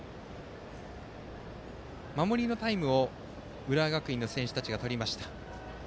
守りのタイムを浦和学院の選手たちがとりました。